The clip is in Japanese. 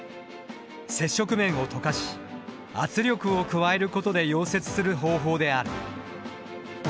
接触面を溶かし圧力を加えることで溶接する方法である。